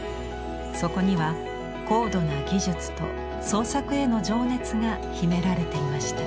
そこには高度な技術と創作への情熱が秘められていました。